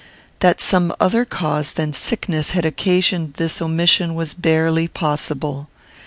That some other cause than sickness had occasioned this omission was barely possible.